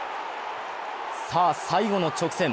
さあ、最後の直線。